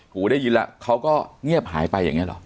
หูได้ยินแล้วเขาก็เงียบหายไปอย่างนี้หรอ